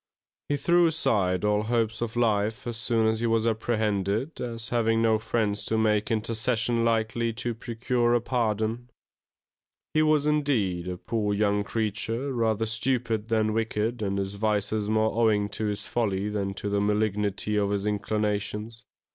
He threw aside all hopes of life as soon as he was apprehended, as having no friends to make intercession likely to procure a pardon. He was, indeed, a poor young creature, rather stupid than wicked and his vices more owing to his folly than to the malignity of his inclinations.